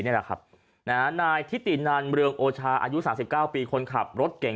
นายทิตินันเรืองโอชาอายุ๓๙ปีคนขับรถเก่ง